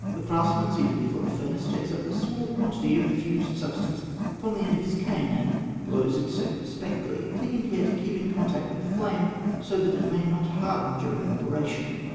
The craftsman, seated before the furnace, takes up a small quantity of the fused substance upon the end of his cane and blows it circumspectly, taking care to keep it in contact with the flame, so that it may not harden during the operation.